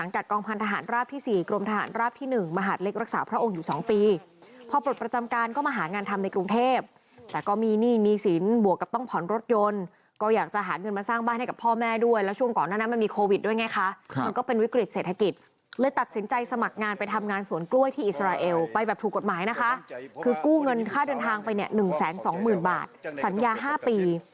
คือกู้เงินค่าเดินทางไป๑๒๐๐๐๐บาทสัญญา๕ปี